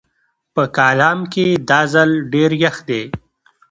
په کالام کې دا ځل ډېر يخ دی